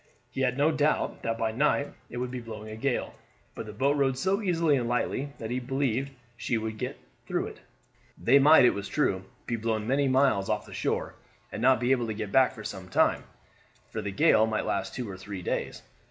He had no doubt that by night it would be blowing a gale; but the boat rode so easily and lightly that he believed she would get through it. They might, it was true, be blown many miles off the shore, and not be able to get back for some time, for the gale might last two or three days.